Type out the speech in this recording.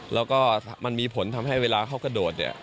แล้วก็มันมีผลทำให้เวลาเขากระโดดเนี่ย